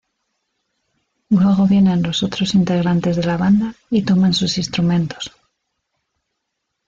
Luego vienen los otros integrantes de la banda y toman sus instrumentos.